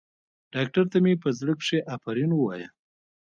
ډاکتر ته مې په زړه کښې افرين ووايه.